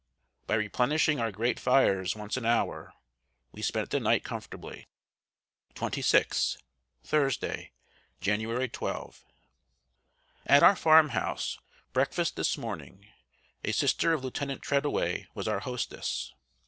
By replenishing our great fires once an hour we spent the night comfortably. XXVI. Thursday, January 12. At our farm house breakfast this morning, a sister of Lieutenant Treadaway was our hostess.